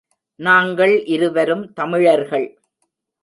நாங்கள் இருவரும் தமிழர்கள்.